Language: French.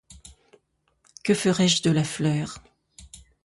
Que ferai-je de la fleur ?